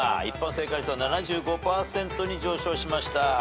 一般正解率は７５％に上昇しました。